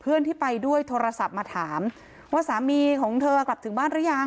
เพื่อนที่ไปด้วยโทรศัพท์มาถามว่าสามีของเธอกลับถึงบ้านหรือยัง